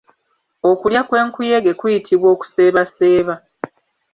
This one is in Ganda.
Okulya kwenkuyege kuyitibw Okuseebaseeba.